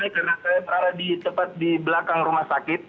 karena saya berada tepat di belakang rumah sakit